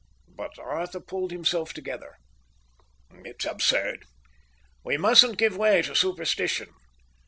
But Arthur pulled himself together. "It's absurd. We mustn't give way to superstition.